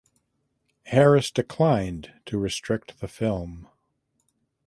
Harris declined to restrict the film.